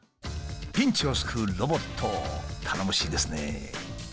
ピンチを救うロボット頼もしいですね。